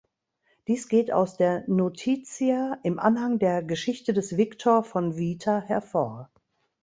Dies geht aus den „Notitia“ im Anhang der "Geschichte des Victor von Vita" hervor.